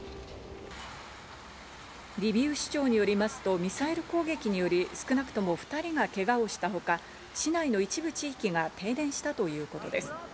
リビウ市長によりますと、ミサイル攻撃により少なくとも２人がけがをしたほか、市内の一部地域が停電したということです。